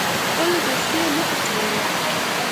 خپله دوستي یې نه پټوله.